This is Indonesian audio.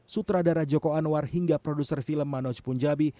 sutradara joko anwar hingga produser film manoj punjabi